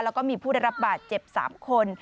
แล้วก็มีผู้ได้รับบาดเจ็บ๓คน